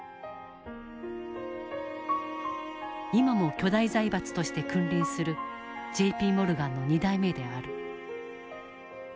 今も巨大財閥として君臨するＪ・Ｐ・モルガンの２代目である。